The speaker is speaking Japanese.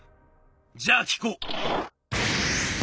「じゃあ聞こう。